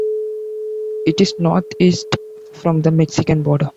It is northeast from the Mexican border.